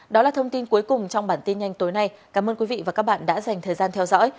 đó là thông tin cuối cùng trong bản tin nhanh tối nay cảm ơn quý vị và các bạn đã dành thời gian theo dõi